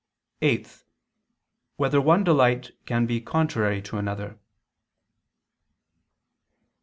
(8) Whether one delight can be contrary to another?